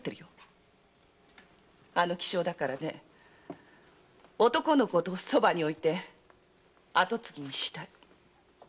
あの気性だから男の子をそばにおいて跡継ぎにしたい。